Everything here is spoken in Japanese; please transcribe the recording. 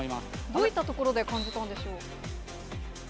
どういったところで感じたん